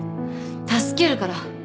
助けるから。